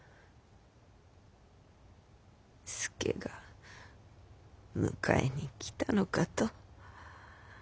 佐が迎えに来たのかと。